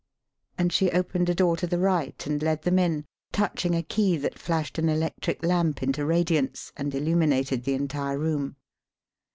And she opened a door to the right and led them in, touching a key that flashed an electric lamp into radiance and illuminated the entire room.